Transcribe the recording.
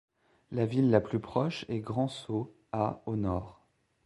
La ville la plus proches est Grand-Sault, à au nord.